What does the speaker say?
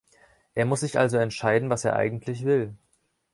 Er muss sich also entscheiden, was er eigentlich will.